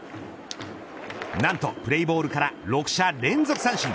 何とプレーボールから６者連続三振。